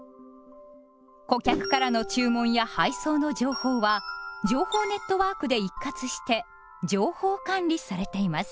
顧客からの注文や配送の情報は情報ネットワークで一括して「情報管理」されています。